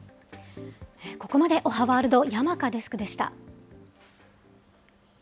ここまでおはワールド、山香デスクでした。